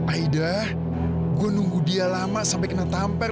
aida aku sudah lama nunggu dia sampai kena tamper